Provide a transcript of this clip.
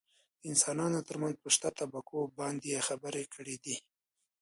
دانسانانو ترمنځ په شته طبقو باندې يې خبرې کړي دي .